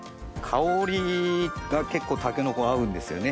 香りが結構タケノコ合うんですよね。